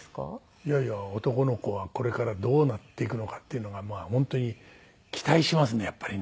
いやいや男の子はこれからどうなっていくのかっていうのが本当に期待しますねやっぱりね。